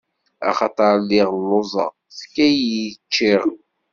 Axaṭer lliɣ lluẓeɣ, tefkam-iyi ččiɣ.